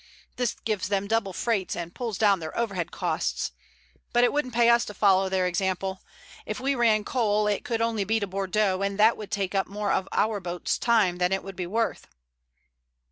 This gives them double freights and pulls down their overhead costs. But it wouldn't pay us to follow their example. If we ran coal it could only be to Bordeaux, and that would take up more of our boat's time than it would be worth."